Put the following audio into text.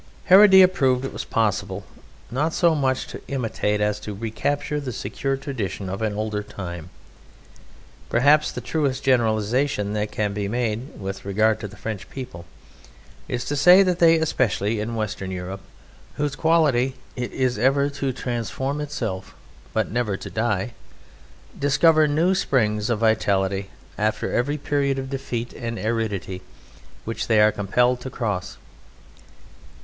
Heredia proved it possible not so much to imitate as to recapture the secure tradition of an older time. Perhaps the truest generalization that can be made with regard to the French people is to say that they especially in Western Europe (whose quality it is ever to transform itself but never to die) discover new springs of vitality after every period of defeat and aridity which they are compelled to cross.